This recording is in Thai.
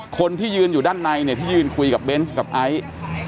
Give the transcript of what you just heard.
คนที่ยืนอยู่ด้านในเนี่ยที่ยืนคุยกับเบนส์กับไอซ์